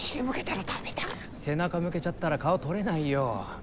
背中向けちゃったら顔撮れないよ。